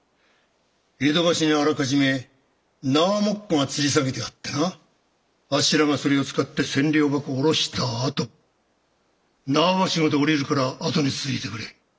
江戸橋にあらかじめ縄もっこがつり下げてあってなあっしらがそれを使って千両箱を下ろしたあと縄ばしごで下りるから後に続いてくれ。